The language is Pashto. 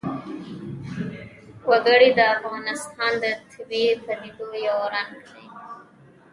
وګړي د افغانستان د طبیعي پدیدو یو رنګ دی.